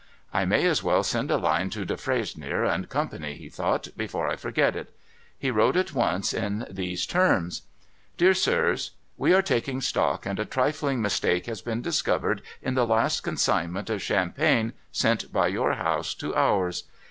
' I may as well send a line to Defresnier and Company,' he thought, ' before I forget it.' He wrote at once in these terms :' Dear Sirs. We are taking stock, and a trifling mistake has been discovered in the last consignment of champagne sent by your house to ours.